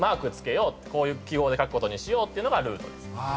こういう記号で書くことにしようっていうのがルートです。